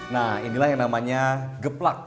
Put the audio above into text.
nah inilah yang namanya geplak